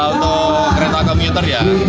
untuk kereta komuter ya